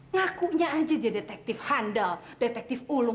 ngakunya aja dia detektif handal detektif ulu